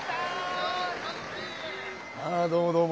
ああどうもどうも。